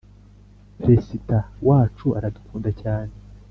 presida wacu aradukunda cyane